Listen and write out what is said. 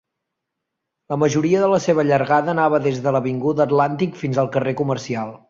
La majoria de la seva llargada anava des de l'avinguda Atlantic fins al carrer Commercial.